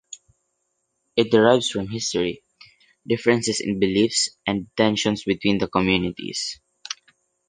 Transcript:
It derives from history, differences in beliefs, and tensions between the communities.